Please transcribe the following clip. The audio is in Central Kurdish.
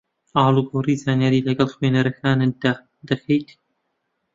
ئاڵوگۆڕی زانیاری لەگەڵ خوێنەرەکانتدا دەکەیت